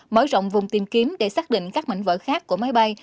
mở rộng vùng tìm kiếm để xác định các mảnh vỡ khác của máy bay